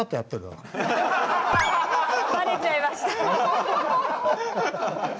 ばれちゃいました。